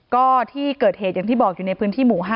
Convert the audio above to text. ก็ที่เกิดเหตุอย่างที่บอกอยู่ในพื้นที่หมู่๕